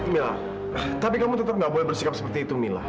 mila tapi kamu tetap gak boleh bersikap seperti itu mila